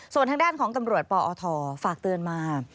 ส่วนทางด้านของตำรวจปอทฝากเตือนมา